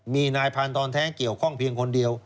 มีนายพานทรแท้เกี่ยวข้องเพียงคนเดียว